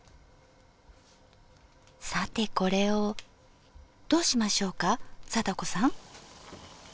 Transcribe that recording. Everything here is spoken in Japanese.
さてこれをどうしましょうか貞子さん。